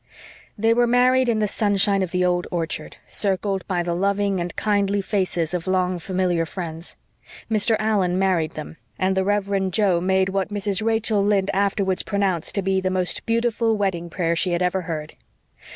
They were married in the sunshine of the old orchard, circled by the loving and kindly faces of long familiar friends. Mr. Allan married them, and the Reverend Jo made what Mrs. Rachel Lynde afterwards pronounced to be the "most beautiful wedding prayer" she had ever heard.